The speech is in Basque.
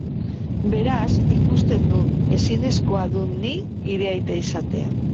Beraz, ikusten dun, ezinezkoa dun ni hire aita izatea.